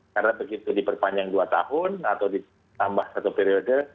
karena begitu diperpanjang dua tahun atau ditambah satu periode